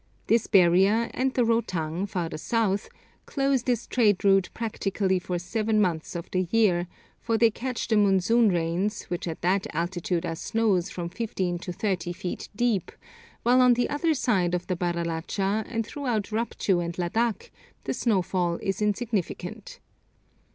This barrier, and the Rotang, farther south, close this trade route practically for seven months of the year, for they catch the monsoon rains, which at that altitude are snows from fifteen to thirty feet deep; while on the other side of the Baralacha and throughout Rupchu and Ladak the snowfall is insignificant.